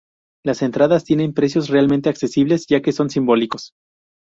Las entradas tienen precios realmente accesibles ya que son simbólicos.